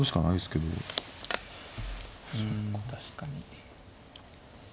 うん確かに。